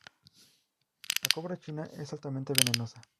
La cobra china es altamente venenosa.